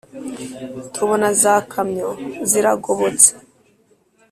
Tubona za kamyo ziragobotse.